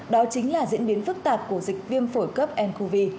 đó chính là diễn biến phức tạp của dịch viêm phổi cấp ncov